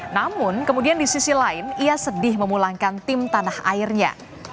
namun kemudian di sisi lain ia sedih memulangkan tim tanah airnya